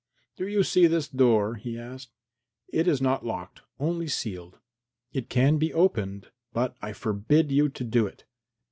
"Do you see this door?" he asked. "It is not locked, only sealed. It can be opened, but I forbid you to do it.